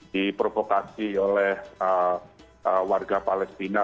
di provokasi oleh warga palestina